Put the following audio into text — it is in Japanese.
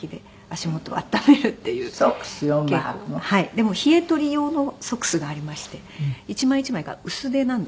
でも冷えとり用のソックスがありまして一枚一枚が薄手なんですね。